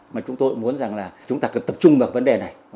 mà chúng tôi muốn rằng là chúng ta cần tập trung vào vấn đề này